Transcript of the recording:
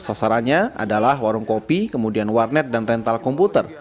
sasarannya adalah warung kopi kemudian warnet dan rental komputer